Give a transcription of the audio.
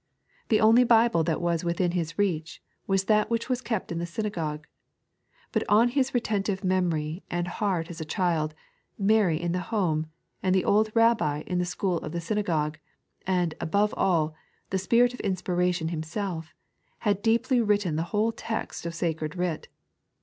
The only Bible that was within His reach was that which was kept in the synagogue ; but on His retentive memory and heart as a child, Mary in the home, and the old Kabbi in the school of the synagogue, and, above all, the Spirit of Inspiration Himself, bad deeply written the whole text of Sacred Writ.